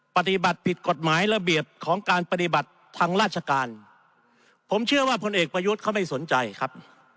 ปฏิบัติผิดกฎหมายระเบียบของการปฏิบัติทางราชการผมเชื่อว่าพลเอกประยุทธ์เขาไม่สนใจครับ